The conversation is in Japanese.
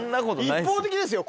一方的ですよ